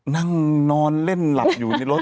นั่งนอนเล่นหลับอยู่ในรถ